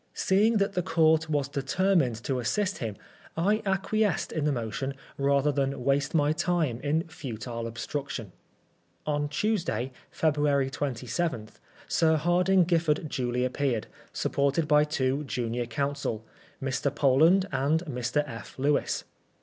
Seeing that the Court was determined to * assist him, I acquiesced in the motion rather than waste my time in futile obstruction. On Tuesday, February 27, Sir Hardinge GiflEard duly appeared, supported by two junior counsel, Mr. Poland and Mr. F. Lewis.